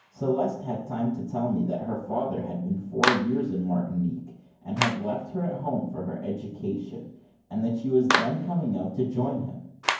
Celeste had time to tell me that her father had been four years in Martinique, and had left her at home for her education; and that she was then coming out to join him.